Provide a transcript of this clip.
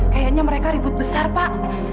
kayaknya mereka ribut besar pak